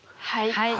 はい。